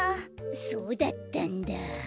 そうだったんだ。